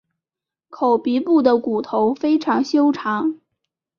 口鼻部的骨头非常修长。